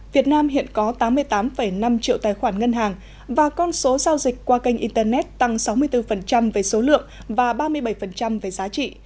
việt nam hiện có tám mươi tám năm triệu tài khoản ngân hàng và con số giao dịch qua kênh internet tăng sáu mươi bốn về số lượng và ba mươi bảy về giá trị